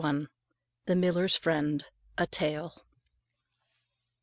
_] THE MILLER'S FRIEND A TALE.